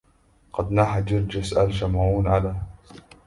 قد ناح جرجس آل شمعون على